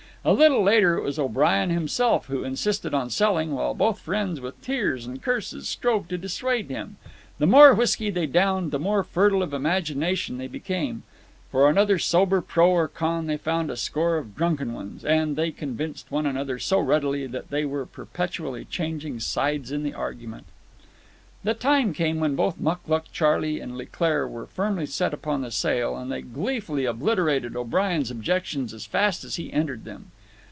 A little later it was O'Brien himself who insisted on selling, while both friends, with tears and curses, strove to dissuade him. The more whiskey they downed, the more fertile of imagination they became. For one sober pro or con they found a score of drunken ones; and they convinced one another so readily that they were perpetually changing sides in the argument. The time came when both Mucluc Charley and Leclaire were firmly set upon the sale, and they gleefully obliterated O'Brien's objections as fast as he entered them.